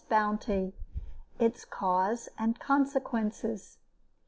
BOUNTY: ITS CAUSE AND CONSEQUENCES.